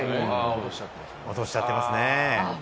落としちゃってますね。